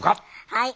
はい。